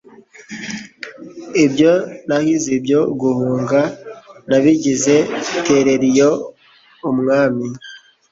ibyo nahize ibyo guhunga nabigize terera iyo umwami